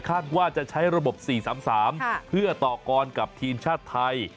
ว่าจะใช้ระบบ๔๓๓เพื่อต่อกรกับทีมชาติไทย